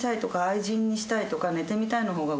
「愛人にしたいとか寝てみたいの方が」